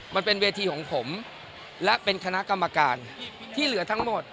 มันเป็นเวทีของผมและเป็นคณะกรรมการที่เหลือทั้งหมด